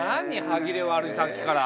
歯切れ悪いさっきから。